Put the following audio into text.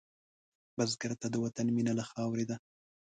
بزګر ته د وطن مینه له خاورې ده